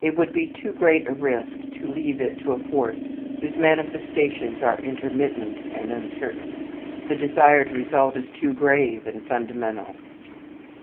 It would be too great a risk to leave it to a force whose manifestations are intermittent and uncertain. The desired result is too grave and fundamental.